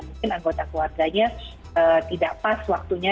mungkin anggota keluarganya tidak pas waktunya